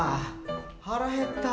腹減った。